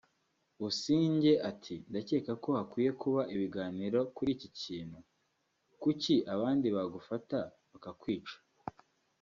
Busingye ati "Ndakeka ko hakwiye kuba ibiganiro kuri iki kintu […] kuki abandi bagufata bakakwica